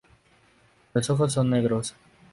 Los ojos son negros.